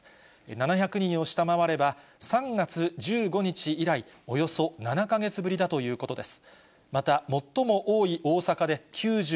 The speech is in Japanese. ７００人を下回れば、３月１５日以来、およそ７か月ぶりだということです。